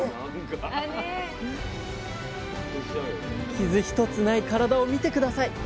傷一つない体を見て下さい。